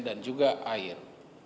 dan juga air